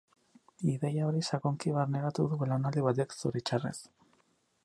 Ideia hori sakonki barneratua du belaunaldi batek, zoritxarrez.